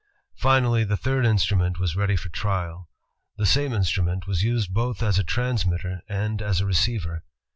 Finally the third instrument was ready for trial. The same instrument was used both as a transmitter end as a receiver.